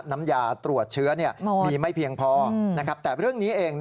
น้ำยาตรวจเชื้อมีไม่เพียงพอแต่เรื่องนี้เอง